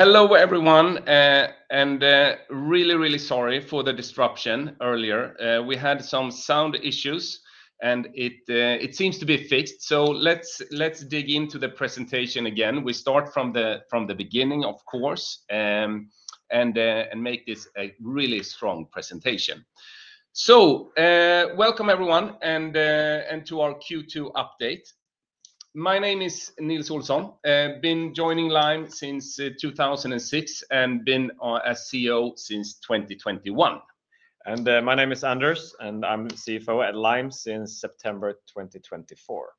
Hello everyone, and really, really sorry for the disruption earlier. We had some sound issues, and it seems to be fixed. Let's dig into the presentation again. We start from the beginning, of course, and make this a really strong presentation. Welcome everyone to our Q2 update. My name is Nils Olsson. I've been joining Lime since 2006 and been CEO since 2021. My name is Anders, and I'm CFO at Lime since September 2024.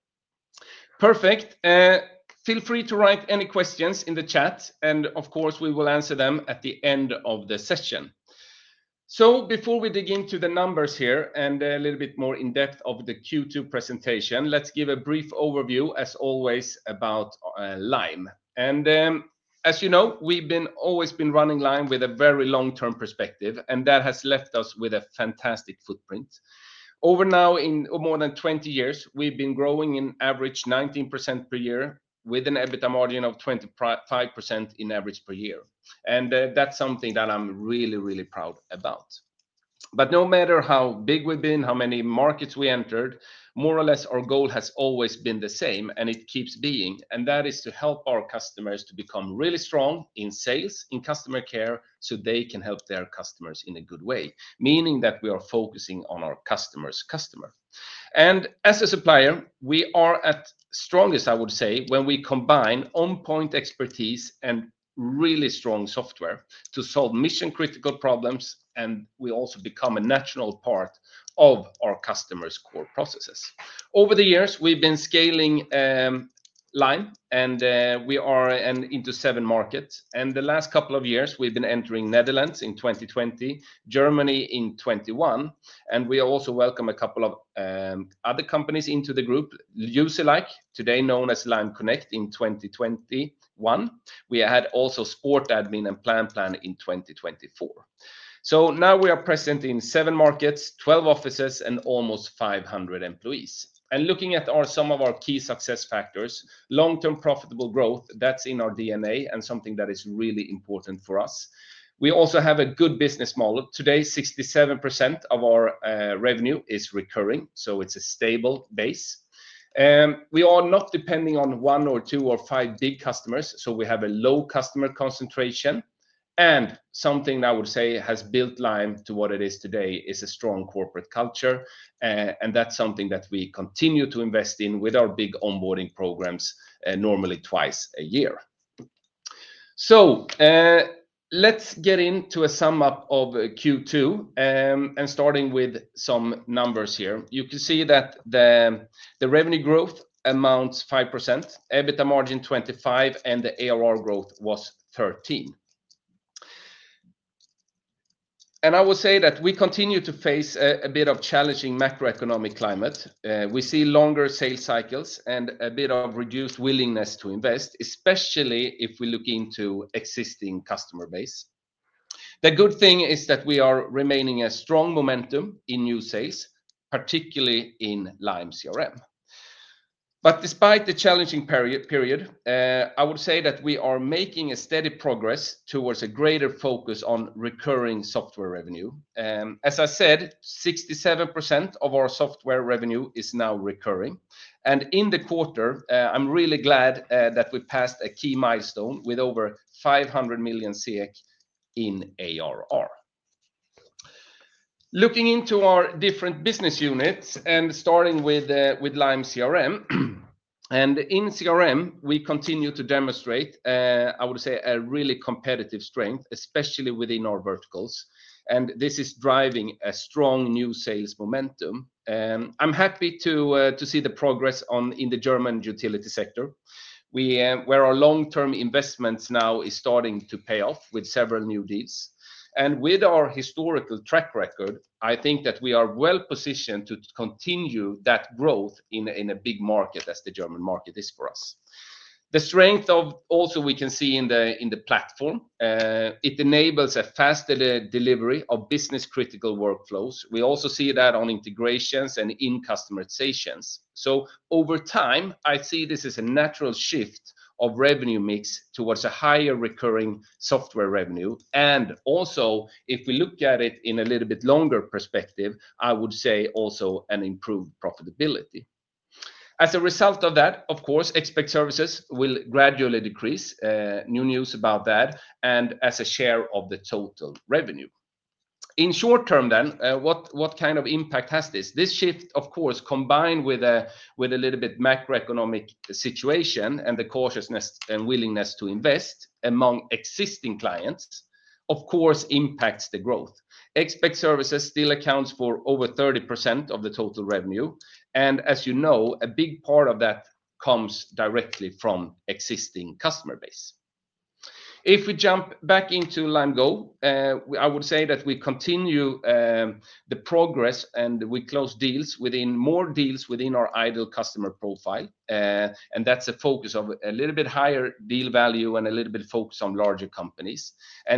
Perfect. Feel free to write any questions in the chat, and of course, we will answer them at the end of the session. Before we dig into the numbers here and a little bit more in depth of the Q2 presentation, let's give a brief overview, as always, about Lime. As you know, we've always been running Lime with a very long-term perspective, and that has left us with a fantastic footprint. Over now, in more than 20 years, we've been growing in average 19% per year with an EBITDA margin of 25% in average per year, and that's something that I'm really, really proud about. No matter how big we've been, how many markets we entered, more or less our goal has always been the same, and it keeps being, and that is to help our customers to become really strong in sales, in customer care, so they can help their customers in a good way, meaning that we are focusing on our customer's customer. As a supplier, we are at strongest, I would say, when we combine on-point expertise and really strong software to solve mission-critical problems, and we also become a natural part of our customers' core processes. Over the years, we've been scaling Lime and we are into seven markets, and the last couple of years, we've been entering the Netherlands in 2020, Germany in 2021, and we also welcomed a couple of other companies into the group, Youse Alike, today known as Lime Connect in 2021. We had also Sport Admin and PlanPlan in 2024. Now we are present in seven markets, 12 offices, and almost 500 employees. Looking at some of our key success factors, long-term profitable growth, that's in our DNA and something that is really important for us. We also have a good business model. Today, 67% of our revenue is recurring, so it's a stable base. We are not depending on one or two or five big customers, so we have a low customer concentration, and something I would say has built Lime to what it is today is a strong corporate culture, and that's something that we continue to invest in with our big onboarding programs normally twice a year. Let's get into a sum up of Q2, and starting with some numbers here, you can see that the revenue growth amounts 5%, EBITDA margin 25%, and the ARR growth was 13%. I will say that we continue to face a bit of a challenging macroeconomic climate. We see longer sales cycles and a bit of reduced willingness to invest, especially if we look into existing customer base. The good thing is that we are remaining a strong momentum in new sales, particularly in Lime CRM. Despite the challenging period, I would say that we are making steady progress towards a greater focus on recurring software revenue. As I said, 67% of our software revenue is now recurring, and in the quarter, I'm really glad that we passed a key milestone with over 500 million in ARR. Looking into our different business units and starting with Lime CRM, in CRM, we continue to demonstrate, I would say, a really competitive strength, especially within our verticals, and this is driving a strong new sales momentum. I am happy to see the progress in the German utility sector, where our long-term investments now are starting to pay off with several new deals. With our historical track record, I think that we are well positioned to continue that growth in a big market as the German market is for us. The strength also we can see in the platform. It enables a faster delivery of business-critical workflows. We also see that on integrations and in customizations. Over time, I see this as a natural shift of revenue mix towards a higher recurring software revenue, and also, if we look at it in a little bit longer perspective, I would say also an improved profitability. As a result of that, of course, expect services will gradually decrease. New news about that, and as a share of the total revenue. In short term then, what kind of impact has this? This shift, of course, combined with a little bit macroeconomic situation and the cautiousness and willingness to invest among existing clients, of course, impacts the growth. Expect services still accounts for over 30% of the total revenue, and as you know, a big part of that comes directly from existing customer base. If we jump back into LimeGo, I would say that we continue the progress and we close deals within more deals within our ideal customer profile, and that's a focus of a little bit higher deal value and a little bit focused on larger companies.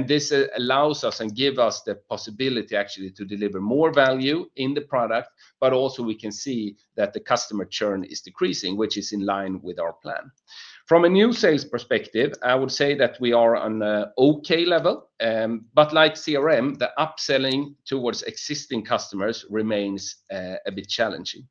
This allows us and gives us the possibility actually to deliver more value in the product, but also we can see that the customer churn is decreasing, which is in line with our plan. From a new sales perspective, I would say that we are on an okay level, but like CRM, the upselling towards existing customers remains a bit challenging.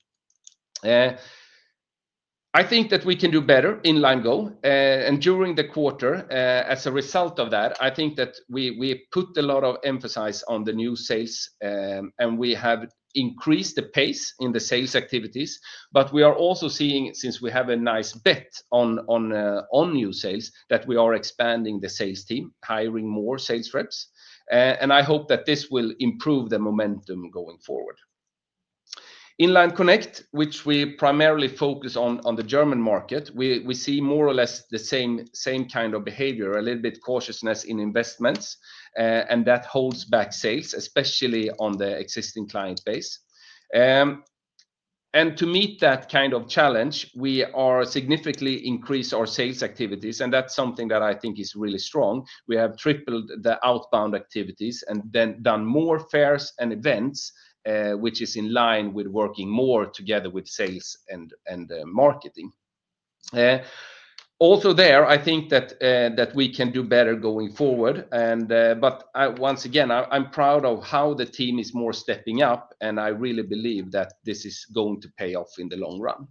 I think that we can do better in LimeGo, and during the quarter, as a result of that, I think that we put a lot of emphasis on the new sales, and we have increased the pace in the sales activities, but we are also seeing, since we have a nice bet on new sales, that we are expanding the sales team, hiring more sales reps, and I hope that this will improve the momentum going forward. In Lime Connect, which we primarily focus on the German market, we see more or less the same kind of behavior, a little bit cautiousness in investments, and that holds back sales, especially on the existing client base. To meet that kind of challenge, we are significantly increasing our sales activities, and that's something that I think is really strong. We have tripled the outbound activities and then done more fairs and events, which is in line with working more together with sales and marketing. Also there, I think that we can do better going forward, but once again, I'm proud of how the team is more stepping up, and I really believe that this is going to pay off in the long run.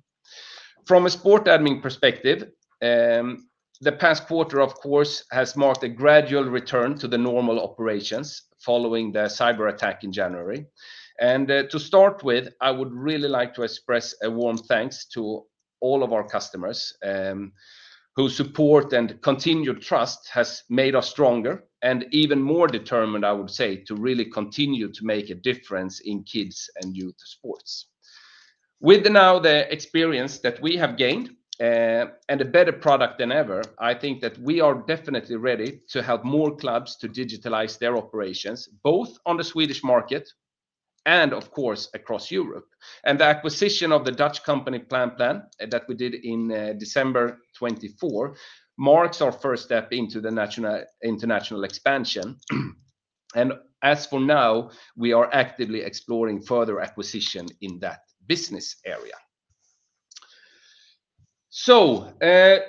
From a Sport Admin perspective, the past quarter, of course, has marked a gradual return to the normal operations following the cyber attack in January. To start with, I would really like to express a warm thanks to all of our customers whose support and continued trust has made us stronger and even more determined, I would say, to really continue to make a difference in kids' and youth's sports. With now the experience that we have gained and a better product than ever, I think that we are definitely ready to help more clubs to digitalize their operations, both on the Swedish market and, of course, across Europe. The acquisition of the Dutch company PlanPlan that we did in December 2024 marks our first step into the international expansion. As for now, we are actively exploring further acquisition in that business area.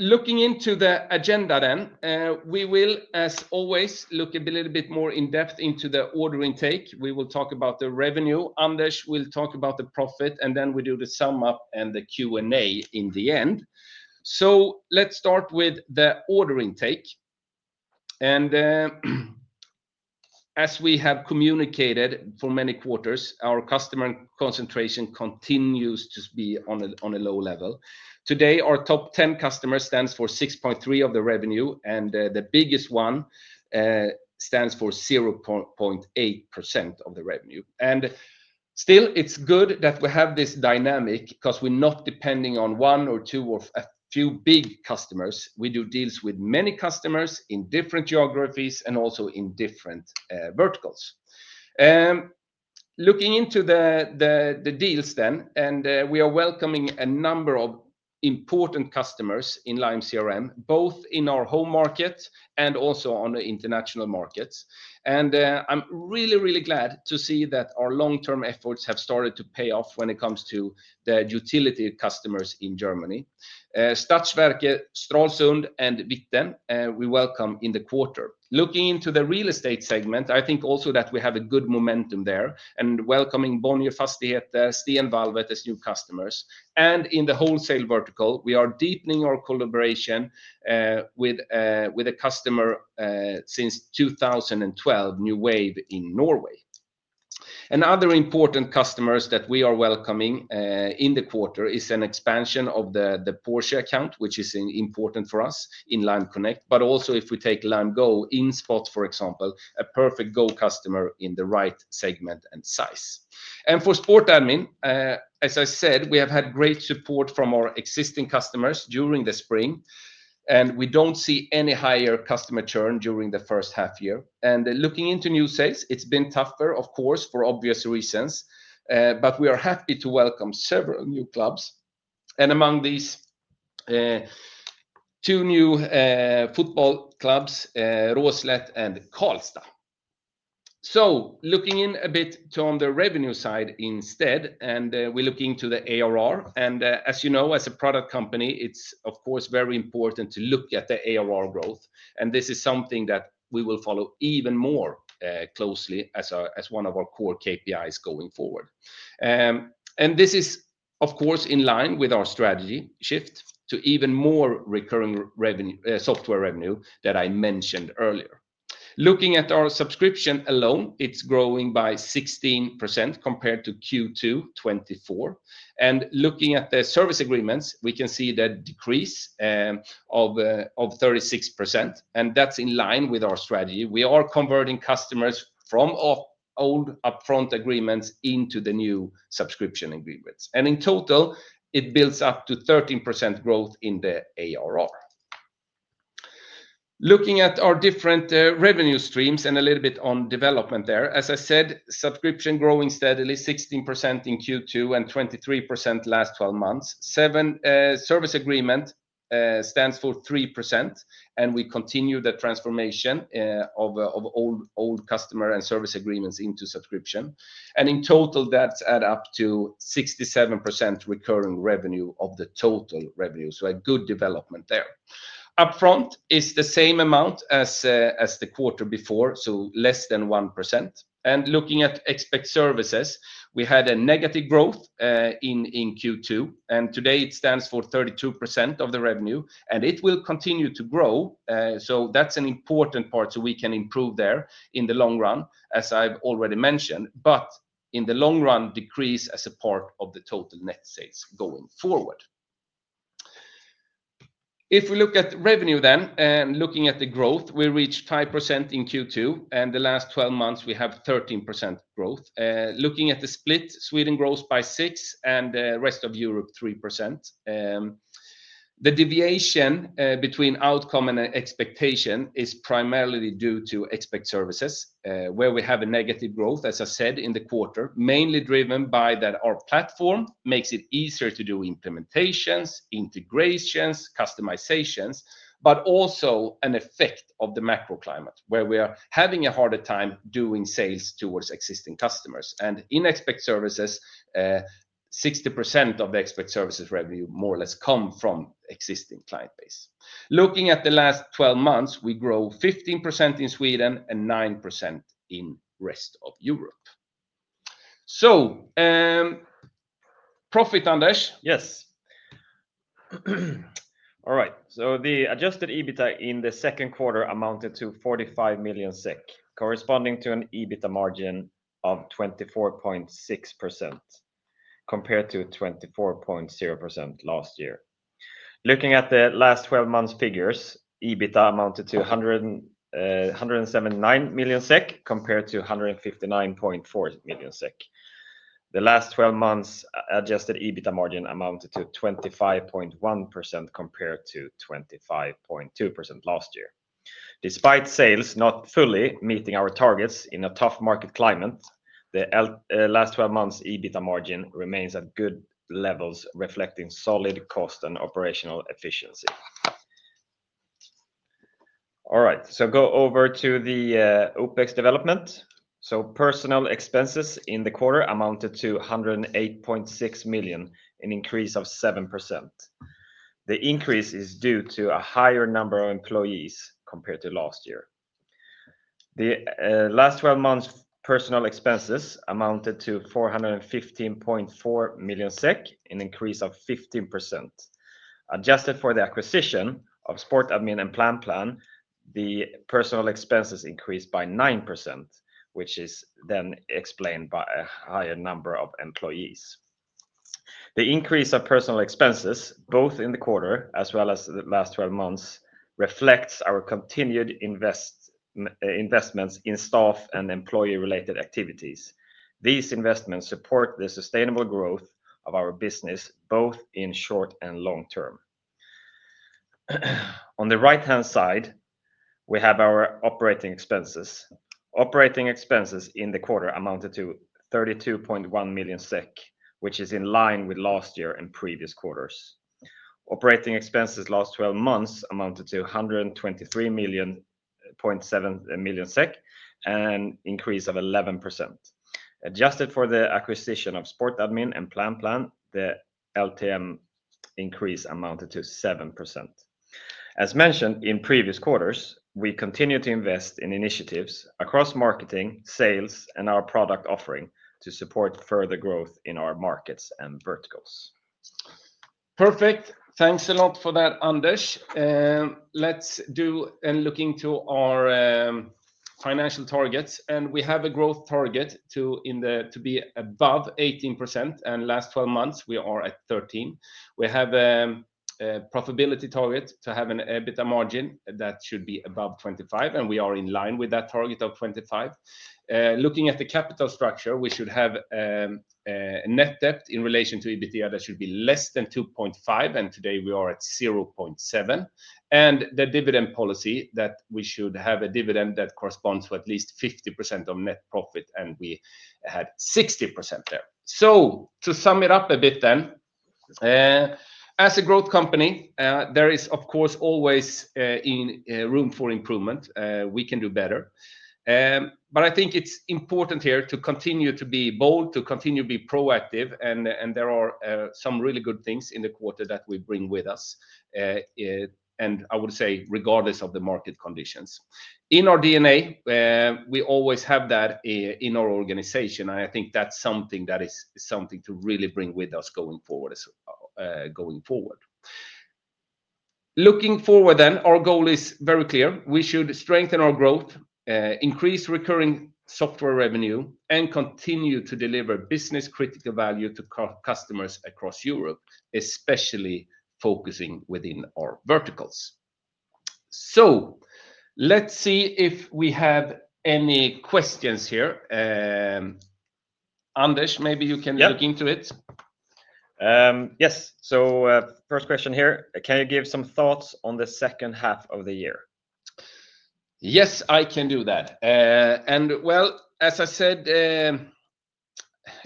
Looking into the agenda then, we will, as always, look a little bit more in depth into the order intake. We will talk about the revenue. Anders will talk about the profit, and then we do the sum up and the Q&A in the end. Let's start with the order intake. As we have communicated for many quarters, our customer concentration continues to be on a low level. Today, our top 10 customers stand for 6.3% of the revenue, and the biggest one stands for 0.8% of the revenue. It is good that we have this dynamic because we're not depending on one or two or a few big customers. We do deals with many customers in different geographies and also in different verticals. Looking into the deals then, we are welcoming a number of important customers in Lime CRM, both in our home market and also on the international markets. I'm really, really glad to see that our long-term efforts have started to pay off when it comes to the utility customers in Germany. Stadtwerke Stralsund and Bitten, we welcome in the quarter. Looking into the real estate segment, I think also that we have good momentum there and welcoming Bonnier Fastigheter and Stenvalvet as new customers. In the wholesale vertical, we are deepening our collaboration with a customer since 2012, New Wave in Norway. Other important customers that we are welcoming in the quarter are an expansion of the Porsche account, which is important for us in Lime Connect, but also if we take LimeGo in spots, for example, a perfect Go customer in the right segment and size. For Sport Admin, as I said, we have had great support from our existing customers during the spring, and we don't see any higher customer churn during the first half year. Looking into new sales, it's been tougher, of course, for obvious reasons, but we are happy to welcome several new clubs. Among these, two new football clubs, Råslet and Karlstad. Looking in a bit on the revenue side instead, we're looking into the ARR. As you know, as a product company, it's, of course, very important to look at the ARR growth, and this is something that we will follow even more closely as one of our core KPIs going forward. This is, of course, in line with our strategy shift to even more recurring software revenue that I mentioned earlier. Looking at our subscription alone, it's growing by 16% compared to Q2 2024. Looking at the service agreements, we can see that decrease of 36%, and that's in line with our strategy. We are converting customers from old upfront agreements into the new subscription agreements. In total, it builds up to 13% growth in the ARR. Looking at our different revenue streams and a little bit on development there, as I said, subscription growing steadily, 16% in Q2 and 23% last 12 months. Service agreement stands for 3%, and we continue the transformation of old customer and service agreements into subscription. In total, that's added up to 67% recurring revenue of the total revenue, so a good development there. Upfront is the same amount as the quarter before, so less than 1%. Looking at expect services, we had a negative growth in Q2, and today it stands for 32% of the revenue, and it will continue to grow. That's an important part, so we can improve there in the long run, as I've already mentioned, but in the long run, decrease as a part of the total net sales going forward. If we look at revenue then, looking at the growth, we reached 5% in Q2, and the last 12 months, we have 13% growth. Looking at the split, Sweden grows by 6% and the rest of Europe 3%. The deviation between outcome and expectation is primarily due to expect services, where we have a negative growth, as I said, in the quarter, mainly driven by that our platform makes it easier to do implementations, integrations, customizations, but also an effect of the macroclimate, where we are having a harder time doing sales towards existing customers. In expect services, 60% of the expect services revenue more or less come from existing client base. Looking at the last 12 months, we grow 15% in Sweden and 9% in the rest of Europe. Profit, Anders? Yes. All right, so the adjusted EBITDA in the second quarter amounted to 45 million SEK, corresponding to an EBITDA margin of 24.6% compared to 24.0% last year. Looking at the last 12 months' figures, EBITDA amounted to 179 million SEK compared to 159.4 million SEK. The last 12 months' adjusted EBITDA margin amounted to 25.1% compared to 25.2% last year. Despite sales not fully meeting our targets in a tough market climate, the last 12 months' EBITDA margin remains at good levels, reflecting solid cost and operational efficiency. All right, go over to the OPEX development. Personal expenses in the quarter amounted to 108.6 million, an increase of 7%. The increase is due to a higher number of employees compared to last year. The last 12 months' personal expenses amounted to 415.4 million SEK, an increase of 15%. Adjusted for the acquisition of Sport Admin and PlanPlan, the personal expenses increased by 9%, which is then explained by a higher number of employees. The increase of personal expenses, both in the quarter as well as the last 12 months, reflects our continued investments in staff and employee-related activities. These investments support the sustainable growth of our business, both in short and long term. On the right-hand side, we have our operating expenses. Operating expenses in the quarter amounted to 32.1 million SEK, which is in line with last year and previous quarters. Operating expenses last 12 months amounted to SEK 123.7 million, an increase of 11%. Adjusted for the acquisition of Sport Admin and PlanPlan, the LTM increase amounted to 7%. As mentioned in previous quarters, we continue to invest in initiatives across marketing, sales, and our product offering to support further growth in our markets and verticals. Perfect. Thanks a lot for that, Anders. Let's do a look into our financial targets, and we have a growth target to be above 18%, and last 12 months, we are at 13%. We have a profitability target to have an EBITDA margin that should be above 25%, and we are in line with that target of 25%. Looking at the capital structure, we should have a net debt in relation to EBITDA that should be less than 2.5x, and today we are at 0.7x. The dividend policy is that we should have a dividend that corresponds to at least 50% of net profit, and we had 60% there. To sum it up a bit then, as a growth company, there is, of course, always room for improvement. We can do better, but I think it's important here to continue to be bold, to continue to be proactive, and there are some really good things in the quarter that we bring with us, and I would say regardless of the market conditions. In our DNA, we always have that in our organization, and I think that's something that is something to really bring with us going forward. Looking forward then, our goal is very clear. We should strengthen our growth, increase recurring software revenue, and continue to deliver business-critical value to customers across Europe, especially focusing within our verticals. Let's see if we have any questions here. Anders, maybe you can look into it. Yes. First question here, can you give some thoughts on the second half of the year? Yes, I can do that. As I said,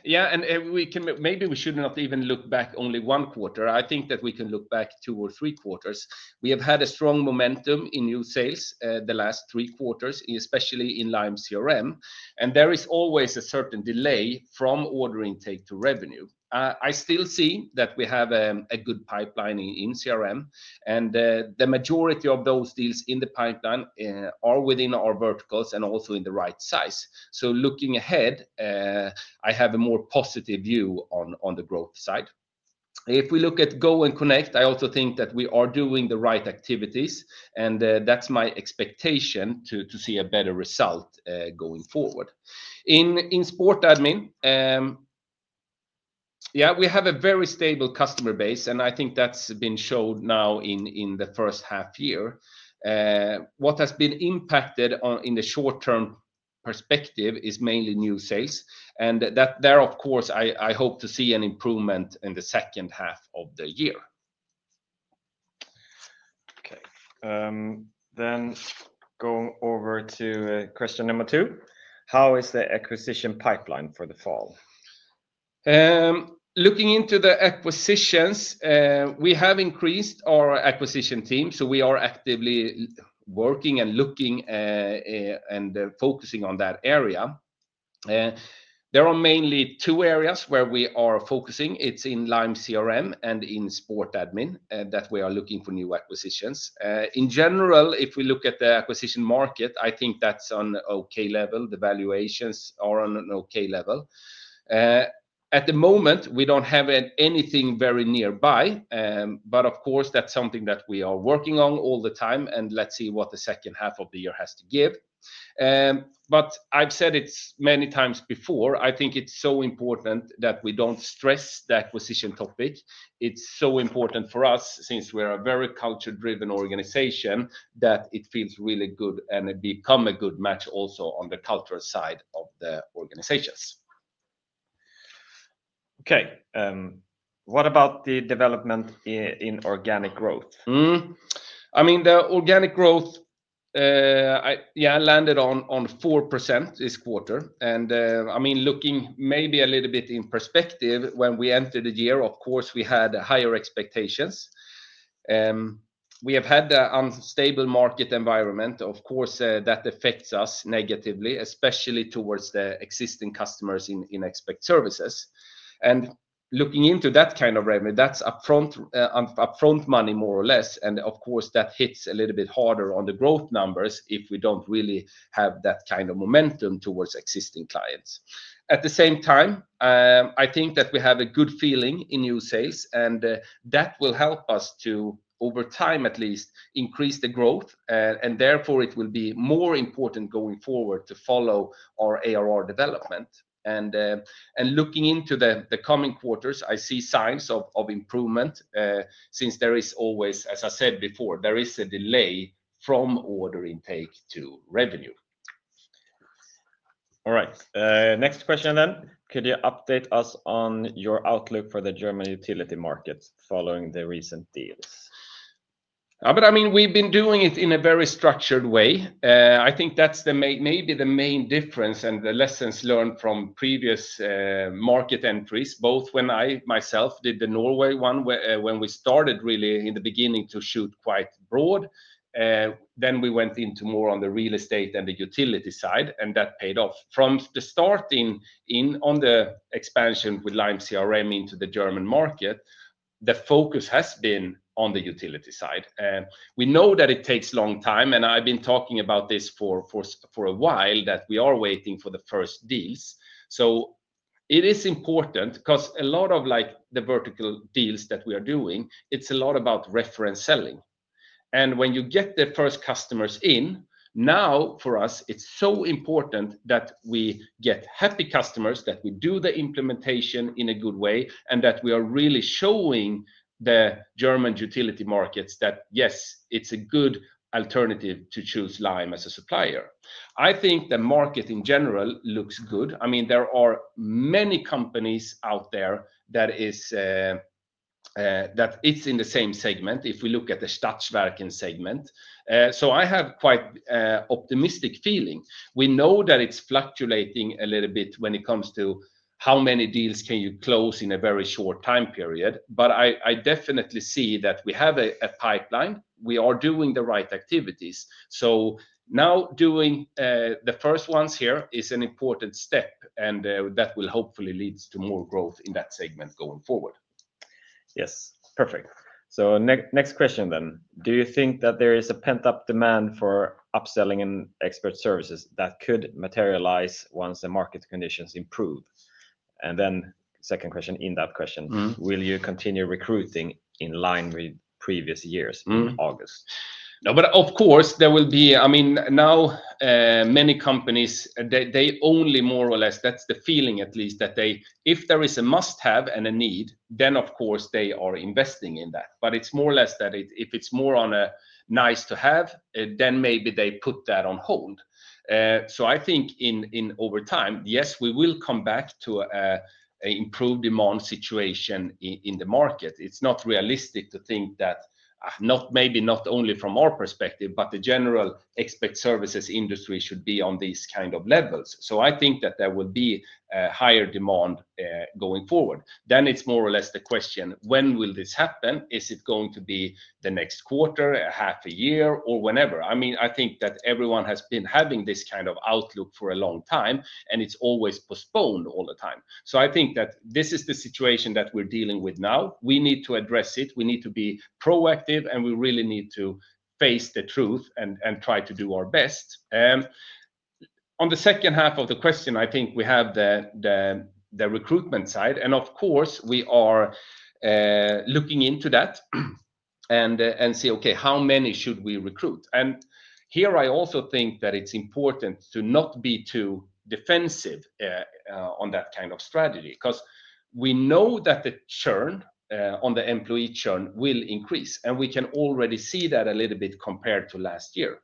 maybe we should not even look back only one quarter. I think that we can look back two or three quarters. We have had a strong momentum in new sales the last three quarters, especially in Lime CRM, and there is always a certain delay from order intake to revenue. I still see that we have a good pipeline in CRM, and the majority of those deals in the pipeline are within our verticals and also in the right size. Looking ahead, I have a more positive view on the growth side. If we look at Go and Connect, I also think that we are doing the right activities, and that's my expectation to see a better result going forward. In Sport Admin, we have a very stable customer base, and I think that's been shown now in the first half year. What has been impacted in the short-term perspective is mainly new sales, and there, of course, I hope to see an improvement in the second half of the year. Okay. Going over to question number two, how is the acquisition pipeline for the fall? Looking into the acquisitions, we have increased our acquisition team, so we are actively working and looking and focusing on that area. There are mainly two areas where we are focusing. It's in Lime CRM and in Sport Admin that we are looking for new acquisitions. In general, if we look at the acquisition market, I think that's on an okay level. The valuations are on an okay level. At the moment, we don't have anything very nearby. Of course, that's something that we are working on all the time, and let's see what the second half of the year has to give. I've said it many times before, I think it's so important that we don't stress the acquisition topic. It's so important for us since we are a very culture-driven organization that it feels really good and becomes a good match also on the cultural side of the organizations. Okay, what about the development in organic growth? I mean, the organic growth, yeah, landed on 4% this quarter. I mean, looking maybe a little bit in perspective, when we entered the year, of course, we had higher expectations. We have had the unstable market environment. Of course, that affects us negatively, especially towards the existing customers in expect services. Looking into that kind of revenue, that's upfront money more or less, and of course, that hits a little bit harder on the growth numbers if we don't really have that kind of momentum towards existing clients. At the same time, I think that we have a good feeling in new sales, and that will help us to, over time at least, increase the growth, and therefore, it will be more important going forward to follow our ARR development. Looking into the coming quarters, I see signs of improvement since there is always, as I said before, there is a delay from order intake to revenue. All right. Next question then. Could you update us on your outlook for the German utility market following the recent deals? We've been doing it in a very structured way. I think that's maybe the main difference and the lessons learned from previous market entries, both when I myself did the Norway one, when we started really in the beginning to shoot quite broad. Then we went more on the real estate and the utility side, and that paid off. From the start on the expansion with Lime CRM into the German market, the focus has been on the utility side. We know that it takes a long time, and I've been talking about this for a while that we are waiting for the first deals. It is important because a lot of the vertical deals that we are doing, it's a lot about reference selling. When you get the first customers in, now for us, it's so important that we get happy customers, that we do the implementation in a good way, and that we are really showing the German utility markets that yes, it's a good alternative to choose Lime as a supplier. I think the market in general looks good. There are many companies out there that are in the same segment if we look at the Stadsverken segment. I have quite an optimistic feeling. We know that it's fluctuating a little bit when it comes to how many deals you can close in a very short time period, but I definitely see that we have a pipeline. We are doing the right activities. Doing the first ones here is an important step, and that will hopefully lead to more growth in that segment going forward. Yes, perfect. Next question then. Do you think that there is a pent-up demand for upselling and expert services that could materialize once the market conditions improve? In that question, will you continue recruiting in line with previous years in August? No, but of course, there will be, I mean, now many companies, they only more or less, that's the feeling at least, that if there is a must-have and a need, then of course they are investing in that. It's more or less that if it's more on a nice-to-have, then maybe they put that on hold. I think over time, yes, we will come back to an improved demand situation in the market. It's not realistic to think that maybe not only from our perspective, but the general expect services industry should be on these kinds of levels. I think that there will be a higher demand going forward. It's more or less the question, when will this happen? Is it going to be the next quarter, half a year, or whenever? I think that everyone has been having this kind of outlook for a long time, and it's always postponed all the time. I think that this is the situation that we're dealing with now. We need to address it. We need to be proactive, and we really need to face the truth and try to do our best. On the second half of the question, I think we have the recruitment side, and of course, we are looking into that and see, okay, how many should we recruit? I also think that it's important to not be too defensive on that kind of strategy because we know that the churn on the employee churn will increase, and we can already see that a little bit compared to last year.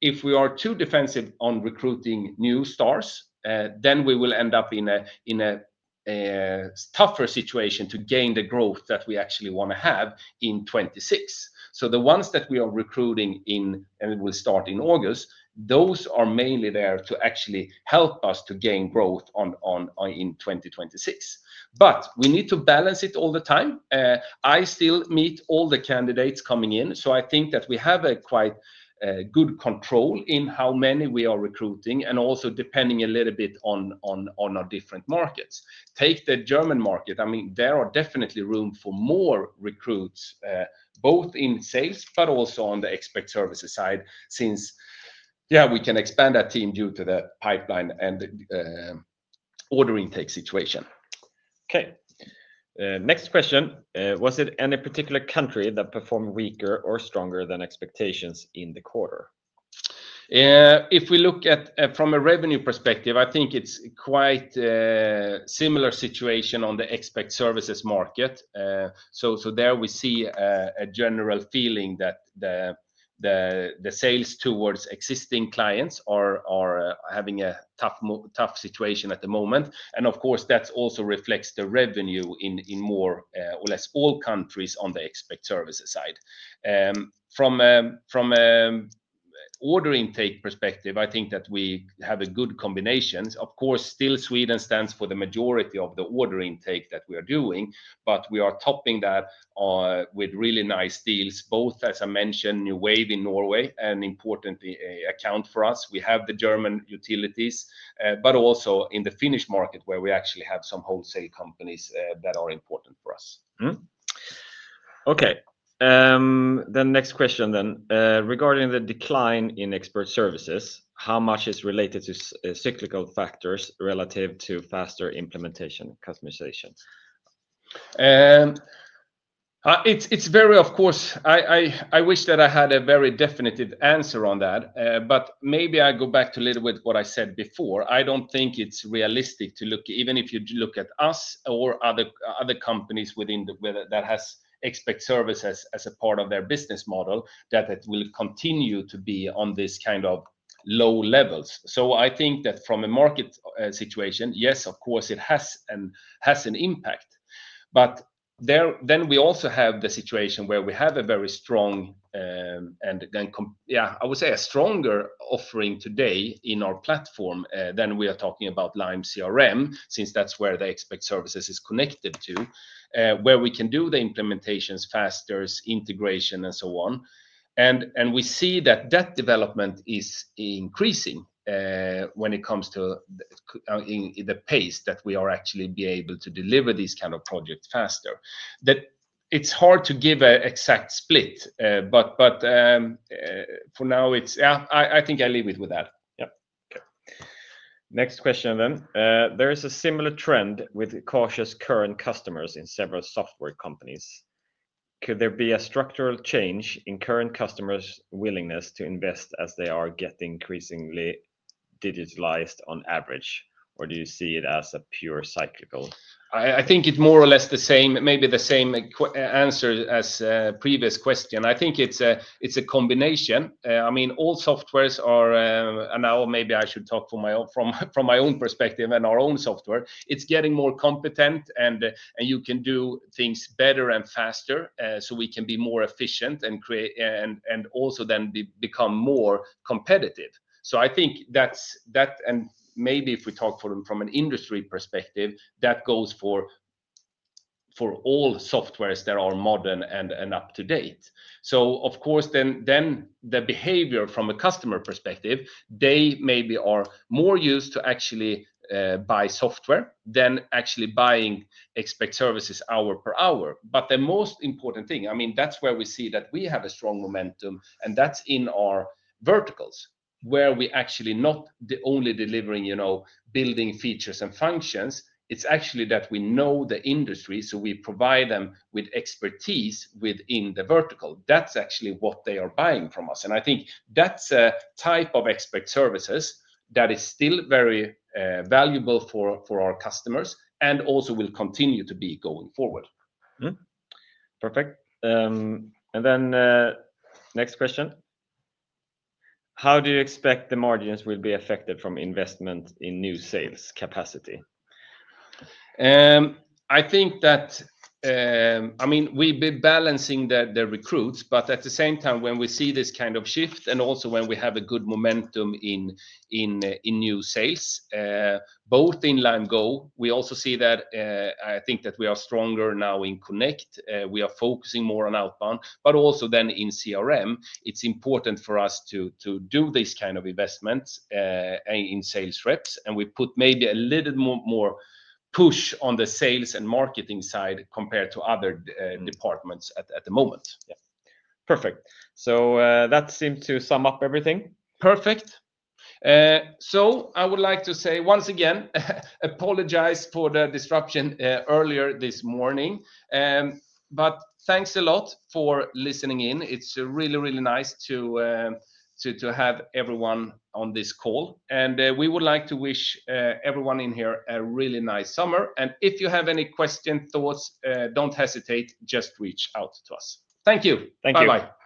If we are too defensive on recruiting new stars, then we will end up in a tougher situation to gain the growth that we actually want to have in 2026. The ones that we are recruiting in, and we'll start in August, those are mainly there to actually help us to gain growth in 2026. We need to balance it all the time. I still meet all the candidates coming in, so I think that we have a quite good control in how many we are recruiting and also depending a little bit on our different markets. Take the German market. I mean, there are definitely room for more recruits, both in sales, but also on the expect services side since, yeah, we can expand that team due to the pipeline and the order intake situation. Okay. Next question. Was it any particular country that performed weaker or stronger than expectations in the quarter? If we look at from a revenue perspective, I think it's quite a similar situation on the expect services market. There we see a general feeling that the sales towards existing clients are having a tough situation at the moment, and of course, that also reflects the revenue in more or less all countries on the expect services side. From an order intake perspective, I think that we have a good combination. Of course, still Sweden stands for the majority of the order intake that we are doing, but we are topping that with really nice deals, both, as I mentioned, New Wave in Norway, an important account for us. We have the German utilities, but also in the Finnish market where we actually have some wholesale companies that are important for us. Okay. Regarding the decline in expert services, how much is related to cyclical factors relative to faster implementation customization? Of course, I wish that I had a very definitive answer on that, but maybe I go back to a little bit what I said before. I don't think it's realistic to look, even if you look at us or other companies that have expect services as a part of their business model, that it will continue to be on this kind of low levels. I think that from a market situation, yes, of course, it has an impact. We also have the situation where we have a very strong, and then, yeah, I would say a stronger offering today in our platform than we are talking about Lime CRM since that's where the expect services is connected to, where we can do the implementations faster, integration, and so on. We see that that development is increasing when it comes to the pace that we are actually being able to deliver these kinds of projects faster. It's hard to give an exact split, but for now, yeah, I think I leave it with that. Okay. Next question then. There is a similar trend with cautious current customers in several software companies. Could there be a structural change in current customers' willingness to invest as they are getting increasingly digitalized on average, or do you see it as a pure cyclical? I think it's more or less the same, maybe the same answer as the previous question. I think it's a combination. I mean, all softwares are, and now maybe I should talk from my own perspective and our own software, it's getting more competent, and you can do things better and faster, so we can be more efficient and also then become more competitive. I think that, and maybe if we talk from an industry perspective, that goes for all softwares that are modern and up to date. Of course, then the behavior from a customer perspective, they maybe are more used to actually buying software than actually buying expect services hour per hour. The most important thing, I mean, that's where we see that we have a strong momentum, and that's in our verticals where we're actually not only delivering, you know, building features and functions. It's actually that we know the industry, so we provide them with expertise within the vertical. That's actually what they are buying from us. I think that's a type of expert services that is still very valuable for our customers and also will continue to be going forward. Perfect. Next question. How do you expect the margins will be affected from investment in new sales capacity? I think that we've been balancing the recruits, but at the same time, when we see this kind of shift and also when we have a good momentum in new sales, both in LimeGo, we also see that we are stronger now in Connect. We are focusing more on outbound, but also in CRM. It's important for us to do this kind of investment in sales reps, and we put maybe a little more push on the sales and marketing side compared to other departments at the moment. Yeah, perfect. That seems to sum up everything. I would like to say once again, apologize for the disruption earlier this morning, but thanks a lot for listening in. It's really, really nice to have everyone on this call. We would like to wish everyone in here a really nice summer. If you have any questions or thoughts, don't hesitate, just reach out to us. Thank you. Thank you. Bye-bye.